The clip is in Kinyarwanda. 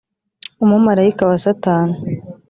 umumarayika wa satani